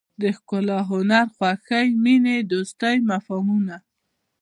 د ښکلا هنر خوښۍ مینې دوستۍ مفهومونه.